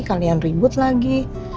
kalian ribut lagi